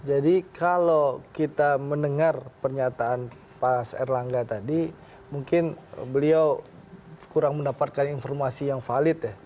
jadi kalau kita mendengar pernyataan pak erlangga tadi mungkin beliau kurang mendapatkan informasi yang valid ya